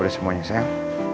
udah semuanya sayang